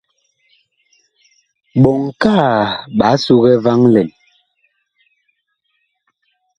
Ɓɔŋ kaa ɓaa sugɛ vaŋ lɛn.